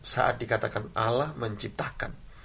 saat dikatakan allah menciptakan